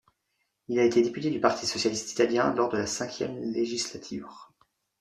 Il a été député du Parti socialiste italien lors de la V législature.